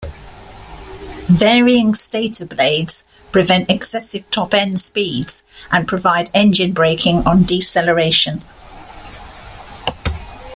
Varying stator blades prevent excessive top end speeds, and provide engine braking on deceleration.